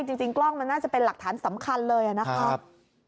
จริงกล้องมันน่าจะเป็นหลักฐานสำคัญเลยนะครับ